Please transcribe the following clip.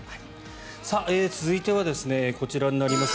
続いてはこちらになります。